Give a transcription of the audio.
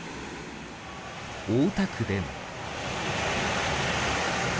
大田区でも。